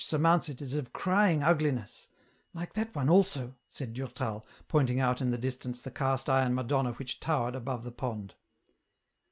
219 surmounts it, is of crying ugliness — like that one also," said Durtal, pointing out in the distance the cast iron Madonna which towered above the pond."